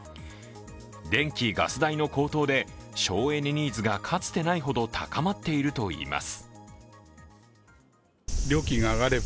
電気・ガス代の高騰で省エネニーズがかつてないほど高まっているといいます。